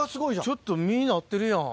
ちょっと実なってるやん。